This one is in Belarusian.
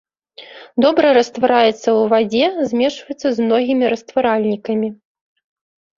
Добра раствараецца ў вадзе, змешваецца з многім растваральнікамі.